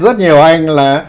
rất nhiều anh là